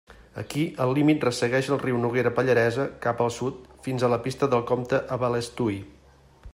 Aquí, el límit ressegueix el riu Noguera Pallaresa cap al sud fins a la pista del Compte a Balestui.